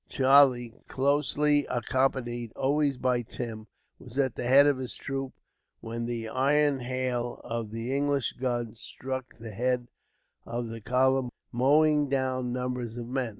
Charlie, closely accompanied always by Tim, was at the head of his troops when the iron hail of the English guns struck the head of the column, mowing down numbers of men.